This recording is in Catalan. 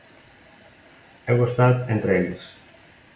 Heu estat entre ells.